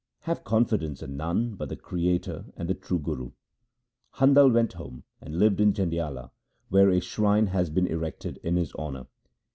Have confidence in none but the Creator and the true Guru.' Handal went home, and lived in Jandiala, where a shrine has been erected in his honour.